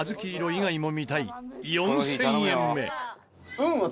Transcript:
以外も見たい４０００円目。